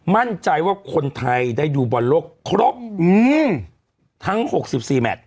มั่นใจว่าคนไทยได้ดูบอลโลกครบทั้ง๖๔แมท